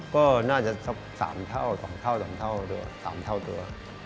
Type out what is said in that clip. ก็น่าจะสามเท่าสองเท่าสามเท่าตัว